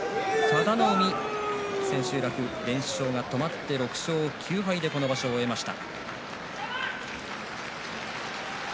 佐田の海は千秋楽連勝が止まって６勝９敗でこの場所が終わりました。